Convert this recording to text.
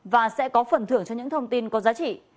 và sẽ có phần thưởng cho những thông tin có giá trị